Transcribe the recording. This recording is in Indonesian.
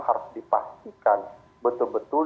harus dipastikan betul betul